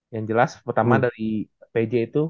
yang jelas pertama dari pj itu